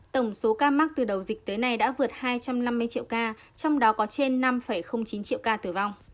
tổng số ca mắc từ đầu dịch tới nay đã vượt hai trăm năm mươi triệu ca trong đó có trên năm chín triệu ca tử vong